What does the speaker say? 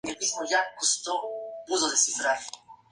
Es navegable entre el Canal du Midi y el mar.